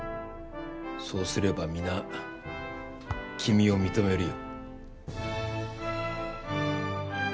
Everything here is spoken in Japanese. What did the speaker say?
そうすれば皆君を認めるよ。